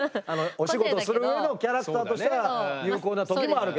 お仕事する上のキャラクターとしたら有効な時もあるけど。